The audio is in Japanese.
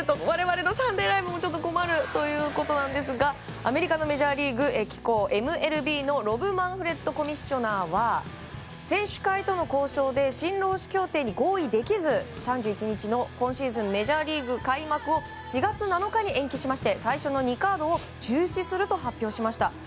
我々「サンデーＬＩＶＥ！！」も困るということなんですがアメリカのメジャーリーグ機構・ＭＬＢのロブ・マンフレッドコミッショナーは選手会との交渉で新労使協定に合意できず３１日の今シーズンメジャーリーグ開幕を４月７日に延期しまして最初の２カードを中止すると発表しました。